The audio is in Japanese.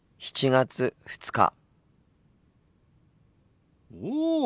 ７月２日。